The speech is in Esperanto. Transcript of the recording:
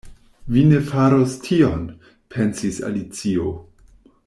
“Vi ne faros tion” pensis Alicio.